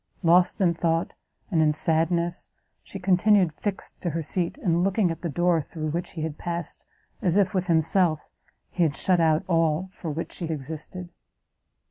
Lost in thought and in sadness, she continued fixed to her seat; and looking at the door through which he had passed, as if, with himself, he had shut out all for which she existed.